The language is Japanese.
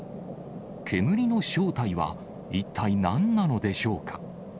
煙の正体は一体なんなのでしょうか。